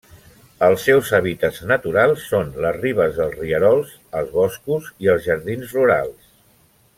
Els seus hàbitats naturals són les ribes dels rierols, els boscos i els jardins rurals.